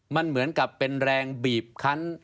มันเหมือนกับเป็นแรงบีบคัน